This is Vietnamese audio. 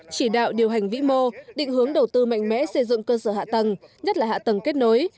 chỉ đạo điều hành vĩ mô định hướng đầu tư mạnh mẽ xây dựng cơ sở hạ tầng nhất là hạ tầng kết nối